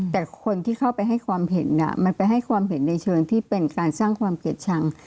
แต่คนที่เข้าไปให้ความเห็นมันไปให้ความเห็นในเชิงที่เป็นการสร้างความเกลียดชัง